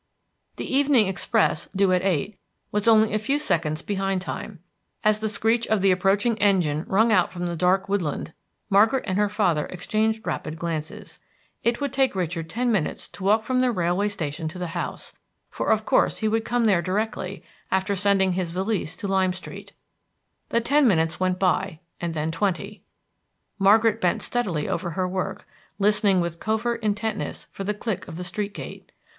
The evening express, due at eight, was only a few seconds behind time. As the screech of the approaching engine rung out from the dark wood land, Margaret and her father exchanged rapid glances. It would take Richard ten minutes to walk from the railway station to the house, for of course he would come there directly after sending his valise to Lime Street. The ten minutes went by, and then twenty. Margaret bent steadily over her work, listening with covert intentness for the click of the street gate.